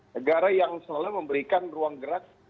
negara yang selalu memberikan ruang gerak